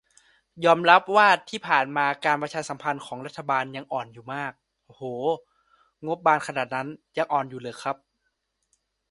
"ยอมรับว่าที่ผ่านมาการประชาสัมพันธ์ของรัฐบาลยังอ่อนอยู่มาก" อะโห งบบานขนาดนั้น ยังอ่อนอยู่เหรอครับ